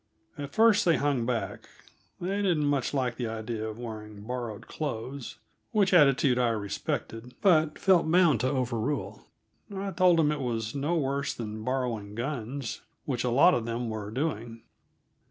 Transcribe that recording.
At first they hung back. They didn't much like the idea of wearing borrowed clothes which attitude I respected, but felt bound to overrule. I told them it was no worse than borrowing guns, which a lot of them were doing.